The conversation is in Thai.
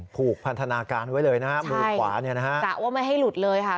ผูกพันธนาการไว้เลยนะฮะมือขวาเนี่ยนะฮะกะว่าไม่ให้หลุดเลยค่ะ